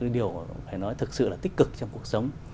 điều phải nói thực sự là tích cực trong cuộc sống